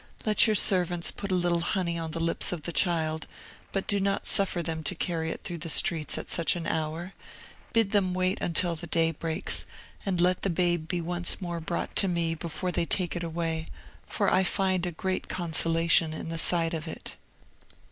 Let your servants put a little honey on the lips of the child, but do not suffer them to carry it through the streets at such an hour; bid them wait until the day breaks, and let the babe be once more brought to me before they take it away, for I find a great consolation in the sight of it."